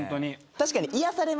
確かに。